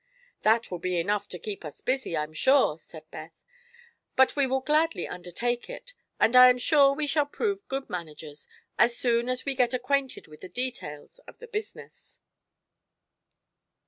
"That will be enough to keep us busy, I'm sure," said Beth. "But we will gladly undertake it, and I am sure we shall prove good managers, as soon as we get acquainted with the details of the business."